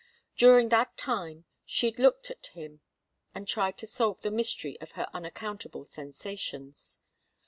During that time she looked at him and tried to solve the mystery of her unaccountable sensations.